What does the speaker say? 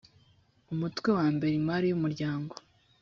umutwe wa mbere imari y umuryango